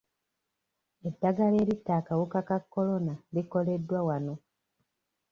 Eddagala eritta akawuka ka Corona likoleddwa wano.